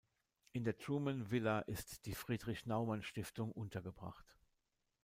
In der Truman-Villa ist die "Friedrich-Naumann-Stiftung" untergebracht.